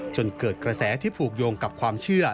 จนเกิดกระแสที่ผูกโยงกับความเชื่อ